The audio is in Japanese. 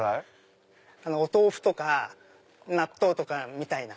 お豆腐とか納豆とかみたいな。